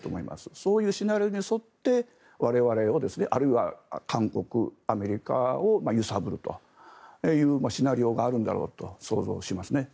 そういうシナリオに沿って我々を、あるいは韓国、アメリカを揺さぶるというシナリオがあるんだろうと想像しますね。